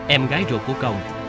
em gái ruột của công